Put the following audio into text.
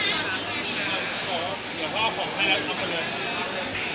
อันนี้เราก็พอไปรับกเรื่องนี้